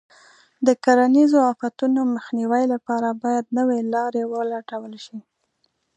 د کرنیزو آفتونو مخنیوي لپاره باید نوې لارې ولټول شي.